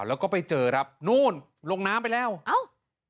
แล้วก็ไปเจอครับนู่นลงน้ำไปแล้วเอ้า